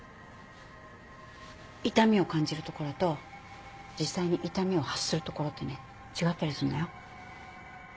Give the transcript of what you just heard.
痛みを感じる所と実際に痛みを発する所ってね違ったりすんのよ。